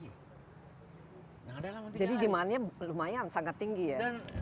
jadi jemaahnya lumayan sangat tinggi ya